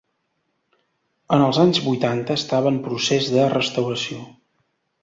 En els anys vuitanta estava en procés de restauració.